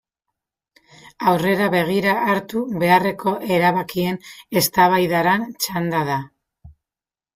Aurrera begira hartu beharreko erabakien eztabaidaran txanda da.